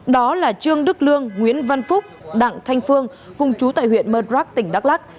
đó là trương đức lương nguyễn văn phúc đặng thanh phương cùng chú tại huyện mơ đrắc tỉnh đắk lắc